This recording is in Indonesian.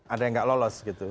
ada yang nggak lolos gitu